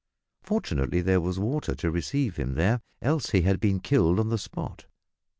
Fortunately there was water to receive him there, else he had been killed on the spot.